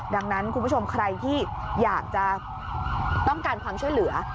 ดังนั้นคุณผู้ชมใครที่อยากจะต้องการความช่วยเหลือ